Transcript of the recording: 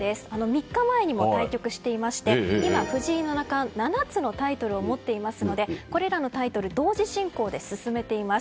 ３日前にも対局していましていま、藤井七冠は７つのタイトルを持っていますのでこれらのタイトルを同時進行で進めています。